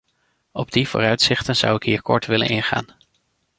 Op die vooruitzichten zou ik hier kort willen ingaan.